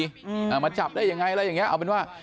อ่ามาจับได้ยังไงอะไรอย่างเงี้เอาเป็นว่า